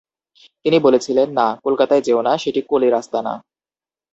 তিনি বলেছিলেন, “না, কলকাতায় যেও না, সেটি কলির আস্থানা।